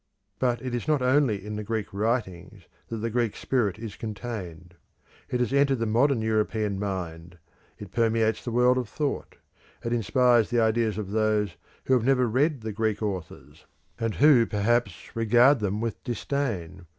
But it is not only in the Greek writings that the Greek spirit is contained: it has entered the modern European mind it permeates the world of thought; it inspires the ideas of those who have never read the Greek authors, and who perhaps regard them with disdain.